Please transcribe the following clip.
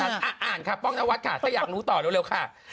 อ่านค่ะป้องนวัดค่ะถ้าอยากรู้ต่อเร็วค่ะ